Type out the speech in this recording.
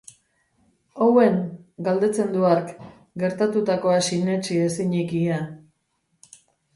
Owen?, galdetzen du hark, gertatutakoa sinetsi ezinik ia.